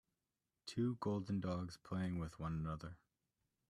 Two golden dogs playing with one another.